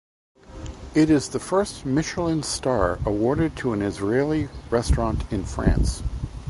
It is the first Michelin star awarded to an Israeli restaurant in France.